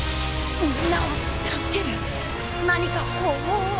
みんなを助ける何か方法は。